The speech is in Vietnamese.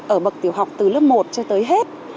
ở bậc tiểu học từ lớp một cho tới hết